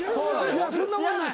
いやそんなことない。